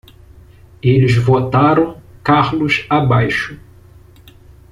Eles votaram Carlos abaixo!